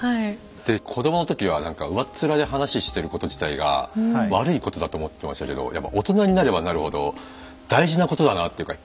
で子供の時はなんか上っ面で話してること自体が悪いことだと思ってましたけどやっぱ大人になればなるほど大事なことだなっていうか